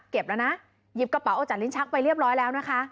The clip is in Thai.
แล้วนะหยิบกระเป๋าออกจากลิ้นชักไปเรียบร้อยแล้วนะคะ